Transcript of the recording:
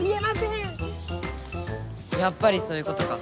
やっぱりそういうことか。